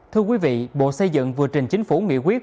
thưa quý vị bộ xây dựng vừa trình chính phủ nghị quyết